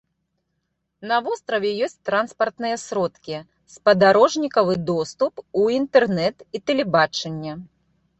На востраве ёсць транспартныя сродкі, спадарожнікавы доступ у інтэрнэт і тэлебачанне.